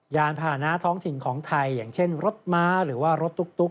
ยานพาหนะท้องถิ่นของไทยอย่างเช่นรถม้าหรือว่ารถตุ๊ก